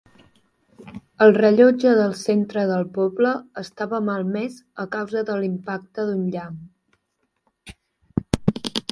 El rellotge del centre del poble estava malmès a causa de l'impacte d'un llamp.